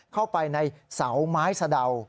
เข้าไปในเสาไม้เข้าไปในสาดาว